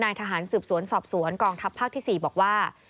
ทหารสืบสวนสอบสวนกองทัพภาคที่๔บอกว่า